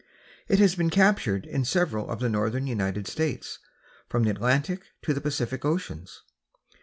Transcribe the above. It has been captured in several of the northern United States, from the Atlantic to the Pacific Oceans.